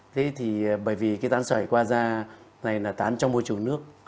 thế thì bởi vì cái tán xoay qua da này là tán trong môi trường nước